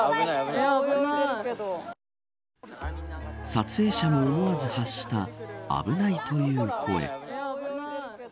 撮影者も思わず発した危ないという声。